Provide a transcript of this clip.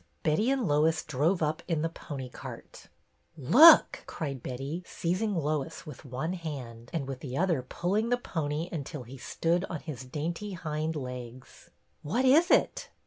Betty and Lois drove up in the pony cart. Look !'' cried Betty, seizing Lois with one hand and with the other pulling the pony until he stood on his dainty hind legs. What is it?